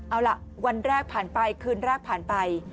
เอาล่ะวันแรกผ่านไปคืนแรกผ่านไป